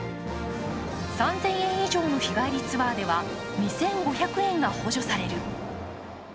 ３０００円以上の日帰りツアーでは２５００円が補助される。